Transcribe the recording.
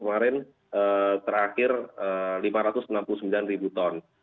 kemarin terakhir rp lima ratus enam puluh sembilan ton